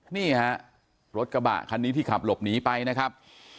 นี่ฮะรถกระบะคันนี้ที่ขับหลบหนีไปนะครับ